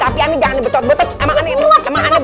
tapi ane jangan betot betet emang ane benar layangan apa ya